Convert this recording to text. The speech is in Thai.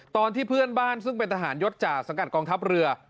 ตอนที่เพื่อนบ้านซึ่งเป็นทหารยศจากสังกัดกองทัพเรือ